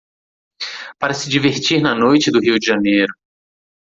para se divertir na noite do Rio de Janeiro.